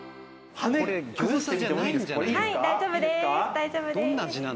はい大丈夫です。